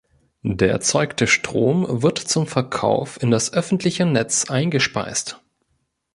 Der erzeugte Strom wird zum Verkauf in das öffentliche Netz eingespeist.